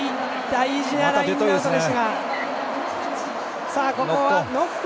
大事なラインアウトでしたが。